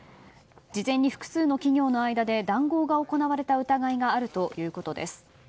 事前に複数の企業の間で談合が行われた疑いがあるということです。